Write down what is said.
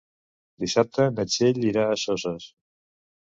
Dissabte na Txell irà a Soses.